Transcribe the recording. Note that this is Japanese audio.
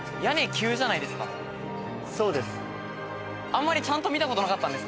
そうです。